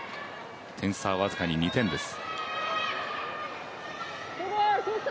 点差はわずかに２点です。